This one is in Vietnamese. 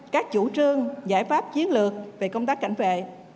các chủ trương giải pháp chiến lược về công tác cảnh vệ